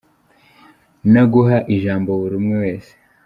No guha ijambo buri umwe wese.